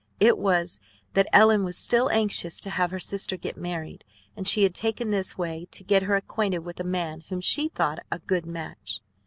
It was that Ellen was still anxious to have her sister get married, and she had taken this way to get her acquainted with a man whom she thought a "good match".